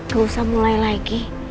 gak usah mulai lagi